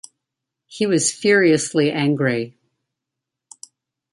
He was furiously angry.